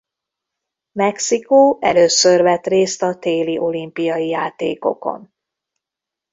Mexikó először vett részt a téli olimpiai játékokon.